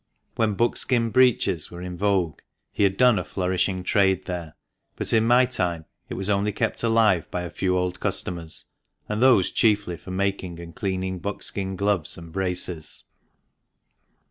When buckskin breeches were in vogue he had done a flourishing trade there, but in my time it was only kept alive by a few old customers, and those chiefly for making and cleaning buckskin gloves and braces.